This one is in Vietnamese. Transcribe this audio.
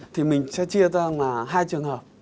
thì mình sẽ chia ra là hai trường hợp